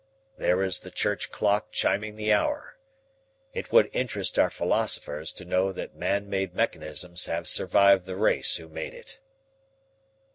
There is the church clock chiming the hour. It would interest our philosophers to know that man made mechanisms have survived the race who made it."